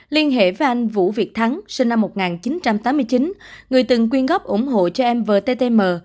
liên hệ với anh vũ việt thắng sinh năm một nghìn chín trăm tám mươi chín người từng quyên góp ủng hộ cho em vttm